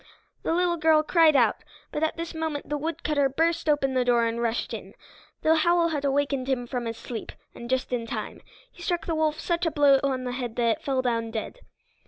The little girl cried out, but at this moment the woodcutter burst open the door and rushed in. The howl had awakened him from his sleep, and just in time. He struck the wolf such a blow on the head that it fell down dead.